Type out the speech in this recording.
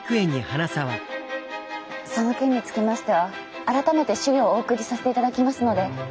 その件につきましては改めて資料をお送りさせていただきますので。